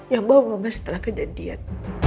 yang bawa mama setelah kejadian